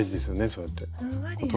そうやって。